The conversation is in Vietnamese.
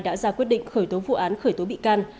đã ra quyết định khởi tố vụ án khởi tố bị can